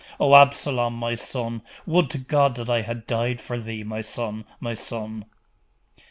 O Absalom, my son! would to God I had died for thee, my son! my son!